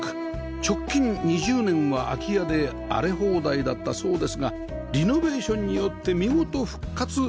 直近２０年は空き家で荒れ放題だったそうですがリノベーションによって見事復活しました